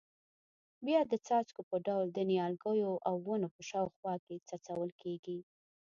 بیا د څاڅکو په ډول د نیالګیو او ونو په شاوخوا کې څڅول کېږي.